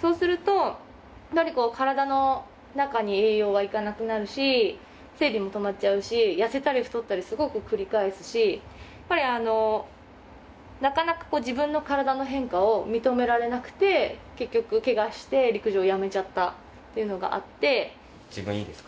そうすると体の中に栄養はいかなくなるし生理も止まっちゃうし痩せたり太ったりすごく繰り返すしやっぱりなかなか自分の体の変化を認められなくて結局ケガして陸上やめちゃったというのがあって自分いいですか？